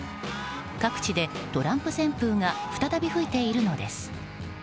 各地でトランプ旋風が再び吹いているのです。